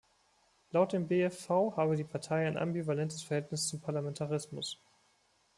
Laut dem BfV habe die Partei ein ambivalentes Verhältnis zum Parlamentarismus.